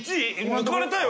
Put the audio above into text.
抜かれたよ！